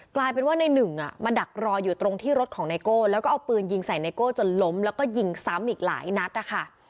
กลายเป็นว่าในหนึ่งมาดักรออยู่ตรงที่รถของไนโก้แล้วก็เอาปืนยิงใส่ไนโก้จนล้มแล้วก็ยิงซ้ำอีกหลายนัดนะคะ